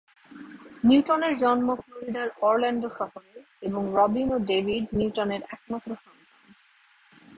নিউটনের জন্ম ফ্লোরিডার অরল্যান্ডো শহরে এবং রবিন এবং ডেভিড নিউটনের একমাত্র সন্তান।